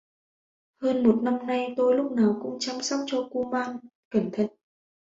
Hơn một năm nay tôi lúc nào cũng chăm sóc cho kuman cẩn thận